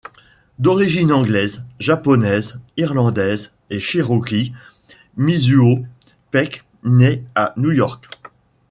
D'origine anglaise, japonaise, irlandaise et cherokee, Mizuo Peck naît à New York.